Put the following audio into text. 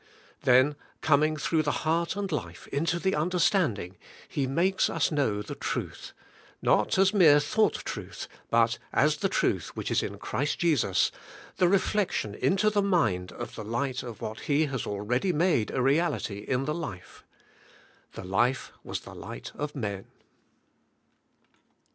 Then coming through the heart and life into the understanding. He makes THROUGH THE HOLY SPIRIT. 138 US know the truth, — not as mere thought truth, but as the truth which is in Christ Jesus, the reflection into the mind of the light of what He has already made a reality in the life. 'The life was the light of men.'